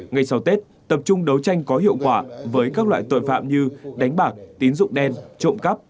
ngày sau tết tập trung đấu tranh có hiệu quả với các loại tội phạm như đánh bạc tín dụng đen trộm cắp